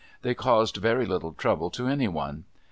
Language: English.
'I'hey caused very little trouble to any one.